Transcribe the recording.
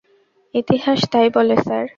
ইতিহাস তাই বলে স্যার।